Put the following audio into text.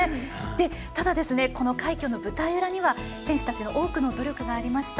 ただ、この快挙の舞台裏には選手たちの多くの努力がありました。